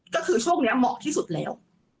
ก็คือช่วงนี้เหมาะที่สุดแล้ว